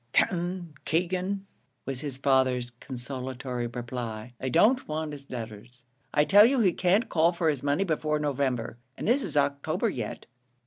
"D n Keegan," was the father's consolatory reply, "I don't want his letters. I tell you he can't call for his money before November, and this is October yet."